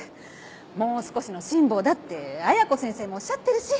もう少しの辛抱だって綾子先生もおっしゃってるし。